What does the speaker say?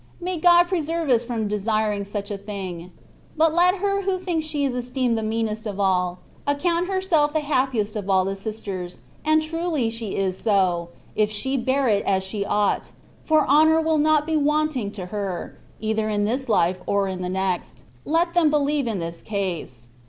May God preserve us from desiring such a thing. But let her who thinks she is esteemed the meanest of all, account herself the happiest of all the sisters, and truly she is so, if she bear it as she ought, for honour will not be wanting to her, either in this life or in the n^ext — ^let them believe in this case.